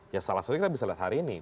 ya salah satunya kita bisa lihat hari ini